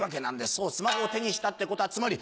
そうスマホを手にしたってことはつまり。